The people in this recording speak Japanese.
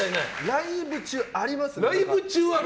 ライブ中ありますね。